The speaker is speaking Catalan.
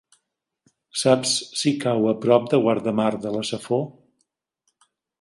Saps si cau a prop de Guardamar de la Safor?